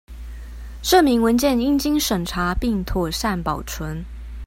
證明文件應經審查並妥善保存